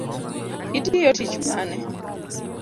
Itiyo tich mane?